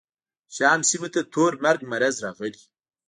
شام سیمو ته تور مرګ مرض راغلی.